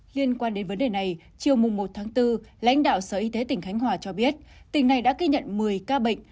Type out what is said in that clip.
liên quan đến vấn đề này chiều một bốn lãnh đạo sở y tế tỉnh khánh hòa cho biết tỉnh này đã ghi nhận một mươi ca bệnh